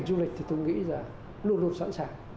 du lịch thì tôi nghĩ là luôn luôn sẵn sàng